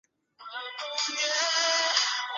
瘰鳞蛇主要进食鱼类。